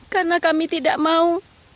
karena kami tidak mau